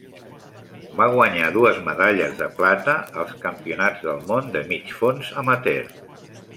Va guanyar dues medalles de plata als Campionats del món de mig fons amateur.